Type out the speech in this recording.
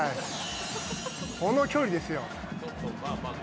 この距離ですよ。